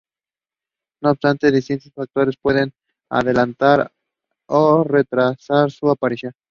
No obstante, distintos factores pueden adelantar o retrasar su aparición.